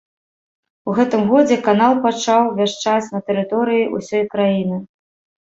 У гэтым годзе канал пачаў вяшчаць на тэрыторыі ўсёй краіны.